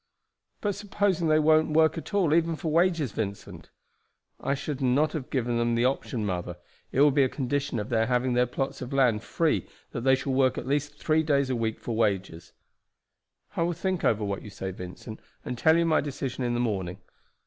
"But supposing they won't work at all, even for wages, Vincent?" "I should not give them the option, mother; it will be a condition of their having their plots of land free that they shall work at least three days a week for wages." "I will think over what you say, Vincent, and tell you my decision in the morning.